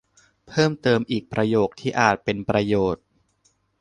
เพิ่มเติม อีกประโยคที่อาจเป็นประโยชน์